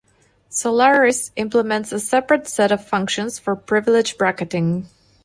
Solaris implements a separate set of functions for privilege bracketing.